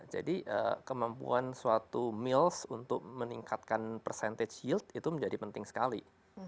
jadi kemampuan suatu mills untuk meningkatkan percentage yield itu menjadi penting sekali